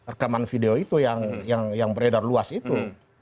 rekaman video itu yang beredar luas itu